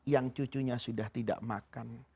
yang cucunya sudah tidak makan